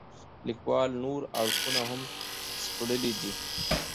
لیکوال نور اړخونه هم سپړلي دي.